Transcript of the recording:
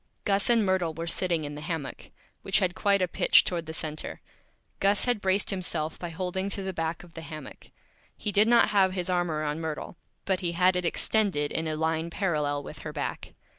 Gus and Myrtle were sitting in the Hammock, which had quite a Pitch toward the Center. Gus had braced himself by Holding to the back of the Hammock. He did not have his Arm around Myrtle, but he had it Extended in a Line parallel with her Back.